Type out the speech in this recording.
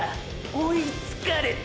追いつかれた⁉